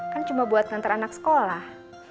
kan cuma buat ngantar anak sekolah